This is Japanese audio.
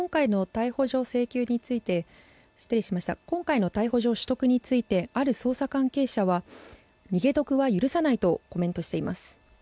今回の逮捕状取得についてある捜査関係者は逃げ得は許さないとコメントしています。